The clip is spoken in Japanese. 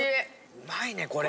うまいねこれ。